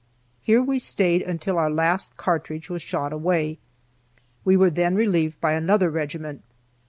Here we stayed until our last cartridge was shot away. We were then relieved by another regiment.